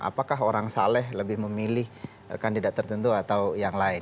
apakah orang saleh lebih memilih kandidat tertentu atau yang lain